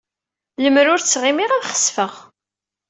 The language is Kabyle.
Lemmer ur ttɣimiɣ, ad xesfeɣ.